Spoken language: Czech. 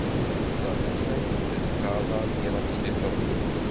Ta nese motiv Kázání Jana Křtitele.